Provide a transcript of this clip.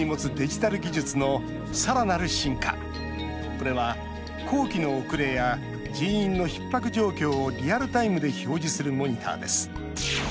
これは工期の遅れや人員のひっ迫状況をリアルタイムで表示するモニターです。